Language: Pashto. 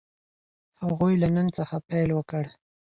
هغوی له نن څخه پيل وکړ.